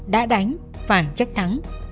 đã đánh phải chắc thắng